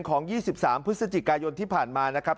๒๓พฤศจิกายนที่ผ่านมานะครับ